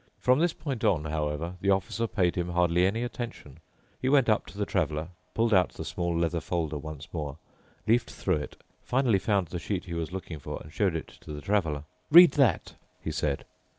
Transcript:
From this point on, however, the Officer paid him hardly any attention. He went up to the Traveler, pulled out the small leather folder once more, leafed through it, finally found the sheet he was looking for, and showed it to the Traveler. "Read that," he said.